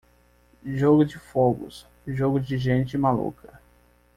Jogo de fogos, jogo de gente maluca.